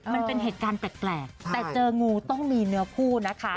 มันเป็นเหตุการณ์แปลกแต่เจองูต้องมีเนื้อคู่นะคะ